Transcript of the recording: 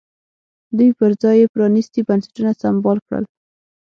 دوی پر ځای یې پرانیستي بنسټونه سمبال کړل.